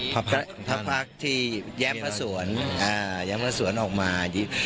พระภาคที่แย้มพระสวนออกมา